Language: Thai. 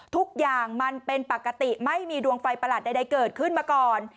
ทุกอย่างมันเป็นปกติไม่มีดวงไฟประหลาดใดเกิดขึ้นมาก่อน